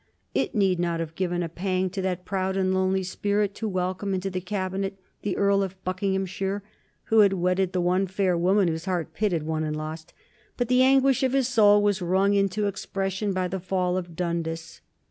It need not have given a pang to that proud and lonely spirit to welcome into the Cabinet the Earl of Buckinghamshire, who had wedded the one fair woman whose heart Pitt had won and lost. But the anguish of his soul was wrung into expression by the fall of Dundas.